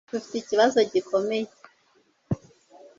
dufite ikibazo gikomeye